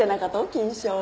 金賞。